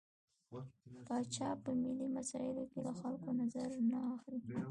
پاچا په ملي مسايلو کې له خلکو نظر نه اخلي.